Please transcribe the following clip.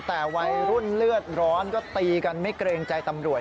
แต่วัยรุ่นเลือดร้อนก็ตีกันไม่เกรงใจตำรวจ